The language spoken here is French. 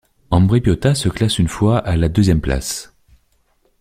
Ambrì-Piotta se classe une fois à la deuxième place.